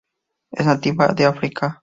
Es nativa de África.